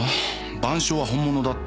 『晩鐘』は本物だった。